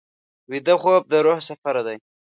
ویده خوب د روح سفر دی